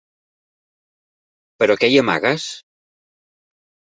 Però què hi amagues?